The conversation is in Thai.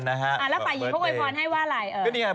แล้วฝ่ายหญิงเขาโวยพรให้ว่าอะไร